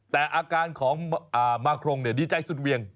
แต่อาการของมาครงดีใจสุดเวียง